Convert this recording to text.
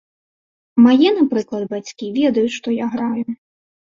Мае, напрыклад, бацькі, ведаюць, што я граю.